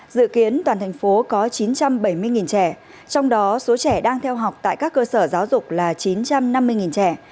dự kiến toàn thành phố có chín trăm bảy mươi trẻ trong đó số trẻ đang theo học tại các cơ sở giáo dục là chín trăm năm mươi trẻ